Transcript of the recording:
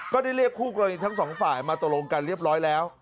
ก็ได้เรียกคู่กรณีทั้งสองฝ่ายมาตกลงกันเรียบร้อยแล้ว